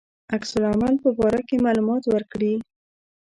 عکس العمل په باره کې معلومات ورکړي.